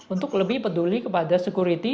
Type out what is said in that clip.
untuk lebih peduli kepada security